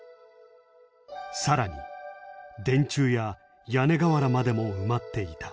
さらに電柱や屋根瓦までも埋まっていた。